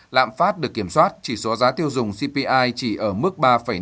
lạm phát được kiểm soát chỉ số giá tiêu dùng cpi chỉ ở mức ba năm mươi bốn